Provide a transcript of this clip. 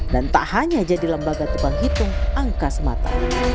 dan tak hanya jadi lembaga tebang hitung angka semata